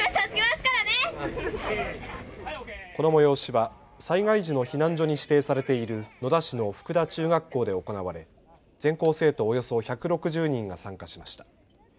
この催しは災害時の避難所に指定されている野田市の福田中学校で行われ全校生徒およそ１６０人が参加しました。